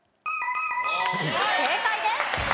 正解です。